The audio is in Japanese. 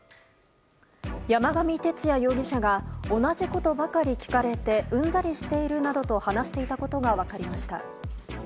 山上徹也容疑者が同じことばかり聞かれてうんざりしているなどと話していたことが分かりました。